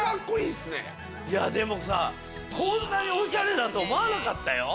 いやでもさこんなにオシャレだと思わなかったよ。